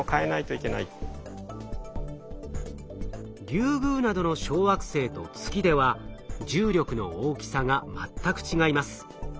リュウグウなどの小惑星と月では重力の大きさが全く違います。